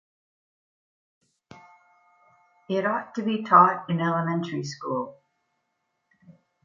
It ought to be taught in elementary school.